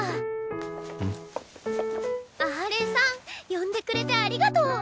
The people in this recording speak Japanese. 阿波連さん呼んでくれてありがとう。